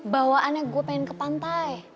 bawaannya gue pengen ke pantai